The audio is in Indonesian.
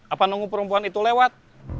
apa nunggu perempuan itu lewat